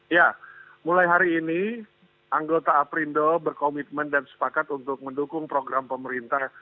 ya mulai hari ini anggota aprindo berkomitmen dan sepakat untuk mendukung program pemerintah